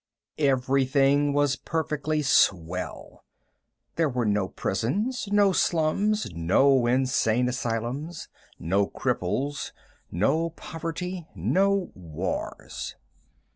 Everything was perfectly swell. There were no prisons, no slums, no insane asylums, no cripples, no poverty, no wars.